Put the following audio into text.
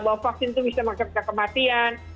bahwa vaksin itu bisa mengakibatkan kematian